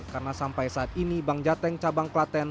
karena sampai saat ini bank jateng cabang klaten